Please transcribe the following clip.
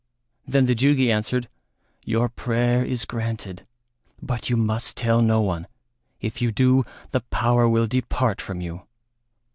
Then the Jugi answered, "Your prayer is granted, but you must tell no one; if you do, the power will depart from you."